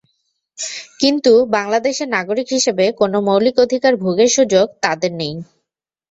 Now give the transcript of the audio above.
কিন্তু বাংলাদেশের নাগরিক হিসেবে কোনো মৌলিক অধিকার ভোগের সুযোগ তাঁদের নেই।